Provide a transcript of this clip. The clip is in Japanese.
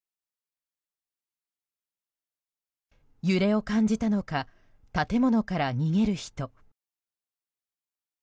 揺れを感じたのか建物から逃げる人。